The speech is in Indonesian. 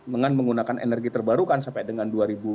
dengan menggunakan energi terbarukan sampai dengan dua ribu dua puluh